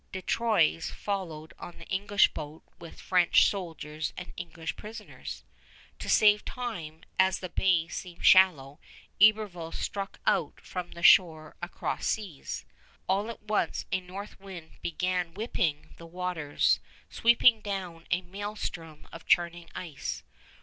De Troyes followed on the English boat with French soldiers and English prisoners. To save time, as the bay seemed shallow, Iberville struck out from the shore across seas. All at once a north wind began whipping the waters, sweeping down a maelstrom of churning ice.